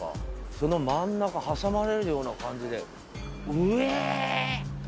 その真ん中挟まれるような感じでうえ！